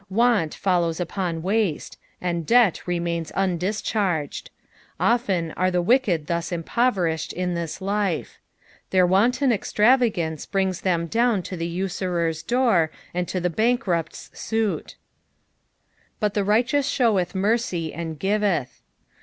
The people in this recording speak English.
Want follons upon waste, and debt remains undischarged. Often are the wicked thus impoverished in this life. Their wanton extravagance brinfn them down to the usurer's door and to the bnnk rupt's suit. " But the righteout theueth mercy, and giteth."